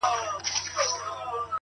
د سر په سترگو چي هغه وينمه;